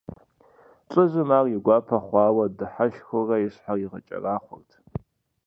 ЛӀыжьым ар и гуапэ хъуауэ дыхьэшхыурэ и щхьэр игъэкӀэрахъуэрт.